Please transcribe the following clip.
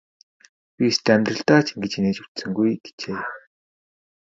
Би ёстой амьдралдаа ч ингэж инээж үзсэнгүй гэжээ.